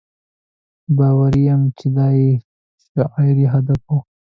باوري یم چې دا یې شعوري هدف و.